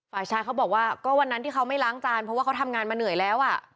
ฝ่ายชายเขาบอกว่าก็วันนั้นที่เขาไม่ล้างจานเพราะว่าเขาทำงานมาเหนื่อยแล้วอ่ะ